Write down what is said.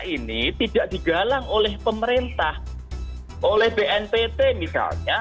karena ini tidak digalang oleh pemerintah oleh bntt misalnya